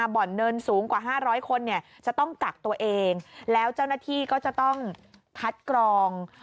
บ่อนเนินสูงกว่า๕๐๐คนเนี่ยจะต้องกักตัวเองแล้วเจ้าหน้าที่ก็จะต้องคัดกรอง